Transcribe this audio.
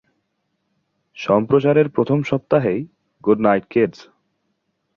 সম্প্রচারের প্রথম সপ্তাহেই "good night, kids!"